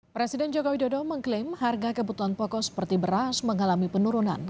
presiden joko widodo mengklaim harga kebutuhan pokok seperti beras mengalami penurunan